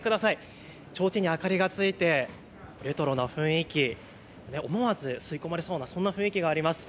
ちょうちんに明かりがついてレトロな雰囲気、思わず吸い込まれそうなそんな雰囲気があります。